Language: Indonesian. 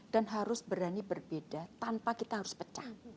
dan harus berani berbeda tanpa kita harus pecah